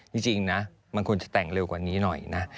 จริงนะมันควรจะแต่งเร็วกว่านี้หน่อยนะ